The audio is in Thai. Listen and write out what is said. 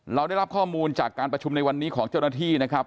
เราได้รับข้อมูลจากการประชุมในวันนี้ของเจ้าหน้าที่นะครับ